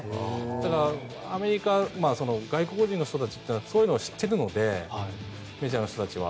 だから、外国人の人たちはそういうのを知っているのでメジャーの人たちは。